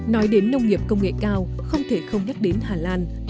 nói đến nông nghiệp công nghệ cao không thể không nhắc đến hà lan